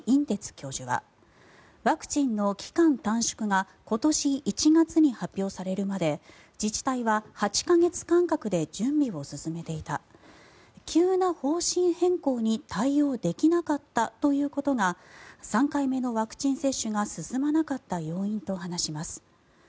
てつ教授はワクチンの期間短縮が今年１月に発表されるまで自治体は８か月間隔で準備を進めていた急な方針変更に対応できなかったということが３回目のワクチン接種が進まなかった要因と話します。